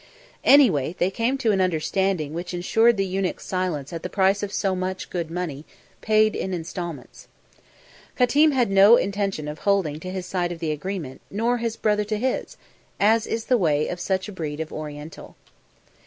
Anyway, they came to an understanding which ensured the eunuch's silence at the price of so much good money, paid in instalments. Qatim had no intention of holding to his side of the agreement, nor his brother to his as is the way of such breed of Oriental.